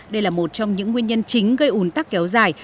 đây là một trong những nguyên nhân chính gây ủn tắc kéo dài